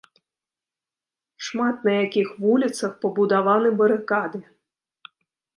Шмат на якіх вуліцах пабудаваны барыкады.